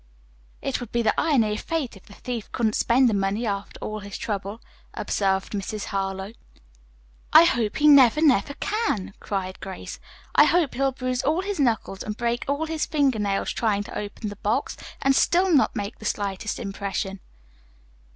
"It would be the irony of fate if the thief couldn't spend the money after all his trouble," observed Mrs. Harlowe. "I hope he never, never can," cried Grace. "I hope he'll bruise all his knuckles and break all his finger nails trying to open the box, and still not make the slightest impression!"